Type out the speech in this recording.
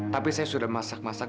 tapi saya sudah masak masak